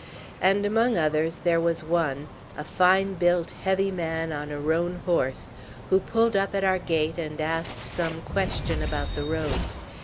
And among others there was one a fine built, heavy man on a roan horse, who pulled up at our gate and asked some question about the road.